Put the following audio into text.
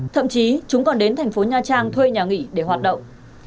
thậm chí chúng còn đến thành phố nha trang thuê nhà nghỉ để hoạt động